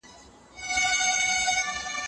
ظلم به هيڅکله دوام ونه کړي.